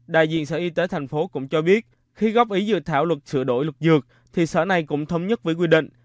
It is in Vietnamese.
đại diện sở y tế tp hcm cho biết khi góp ý dự thảo luật sửa đổi luật dược thì sở này cũng thống nhất với quy định